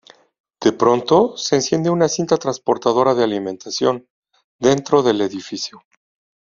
De pronto se enciende una cinta transportadora de alimentación dentro del edificio.